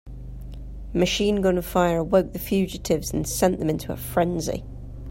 Machine gun fire awoke the fugitives and sent them into a frenzy.